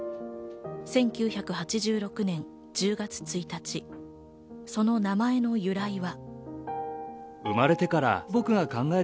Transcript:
１９８６年１０月１日、その名前の由来は。